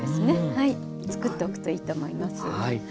作っておくといいと思います。